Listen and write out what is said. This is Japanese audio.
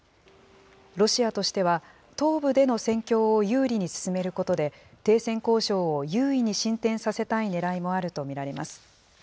ロシアとしては、東部での戦況を有利に進めることで、停戦交渉を優位に進展させたいねらいもあると見られます。